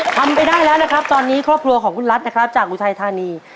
ทำไปได้แล้วนะครับตอนนี้ครอบครัวของคุณรัฐนะครับจากอุทัยธานี